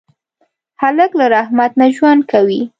هلک له رحمت نه ژوند کوي.